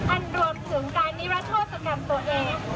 อันรวบถึงการนิรัตนโฆษกรรมตัวเอง